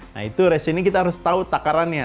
nah itu resinnya kita harus tahu takarannya